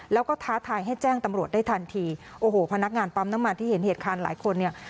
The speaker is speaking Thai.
แล้วก็ท้าทายให้แจ้งตำรวจได้ทันทีโอ้โหพนักงานปั๊มน้ำมันที่เห็นเหตุการณ์หลายคนเนี่ย